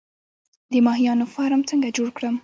د ماهیانو فارم څنګه جوړ کړم؟